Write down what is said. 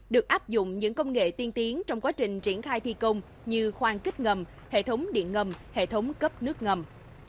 được áp dụng những công nghệ tiên tiến trong quá trình triển khai thi công như khoang kích ngầm hệ thống điện ngầm hệ thống cấp nước ngầm